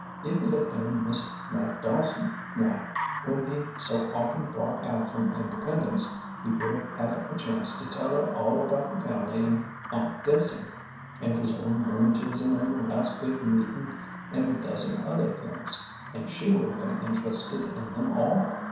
If it had been Miss Matt Dawson, now, whom he so often brought out from Independence, he would have had a chance to tell her all about the family and AuM Dilsey, and his own rheumatism and the last big meeting and a dozen other things— and she would have been interested in them all.